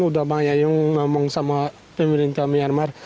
udah banyak yang ngomong sama pemerintah myanmar